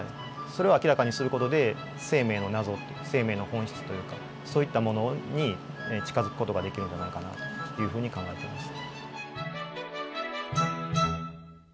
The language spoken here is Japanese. それを明らかにする事で生命の謎生命の本質というかそういったものに近づく事ができるんじゃないかなというふうに考えています。